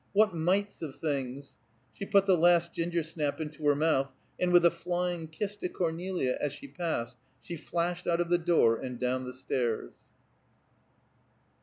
What mites of things." She put the last ginger snap into her mouth, and with a flying kiss to Cornelia as she passed, she flashed out of the door, and down the stairs.